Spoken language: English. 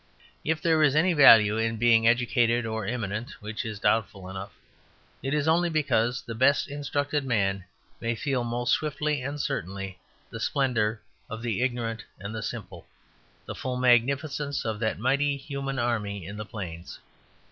If there is any value in being educated or eminent (which is doubtful enough) it is only because the best instructed man may feel most swiftly and certainly the splendour of the ignorant and the simple: the full magnificence of that mighty human army in the plains.